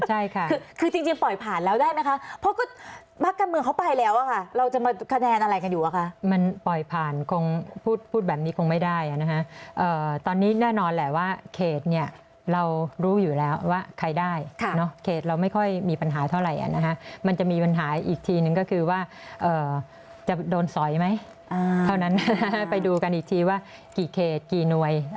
ใช่ค่ะคือจริงปล่อยผ่านแล้วได้ไหมคะเพราะก็พักการเมืองเขาไปแล้วอะค่ะเราจะมาคะแนนอะไรกันอยู่อะคะมันปล่อยผ่านคงพูดแบบนี้คงไม่ได้นะคะตอนนี้แน่นอนแหละว่าเขตเนี่ยเรารู้อยู่แล้วว่าใครได้เขตเราไม่ค่อยมีปัญหาเท่าไหร่นะคะมันจะมีปัญหาอีกทีนึงก็คือว่าจะโดนสอยไหมเท่านั้นไปดูกันอีกทีว่ากี่เขตกี่หน่วย